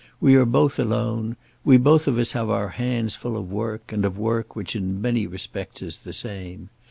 We are both alone. We both of us have our hands full of work, and of work which in many respects is the same.